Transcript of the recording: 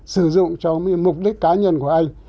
sử dụng cho mục đích cá nhân của anh